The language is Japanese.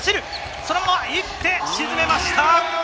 そのまま行ってゴールを沈めました。